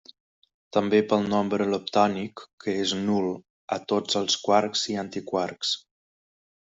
També pel nombre leptònic, que és nul a tots els quarks i antiquarks.